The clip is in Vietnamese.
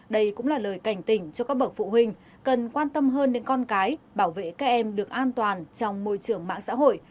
đây cũng là lời cảnh tỉnh cho các bậc phụ huynh cần quan tâm hơn đến con cái bảo vệ các em được an toàn trong môi trường mạng xã hội